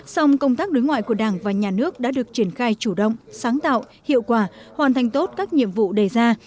song công tác đối ngoại của đảng và nhà nước đã được triển khai chủ động sáng tạo hiệu quả hoàn thành tốt các nhiệm vụ đề ra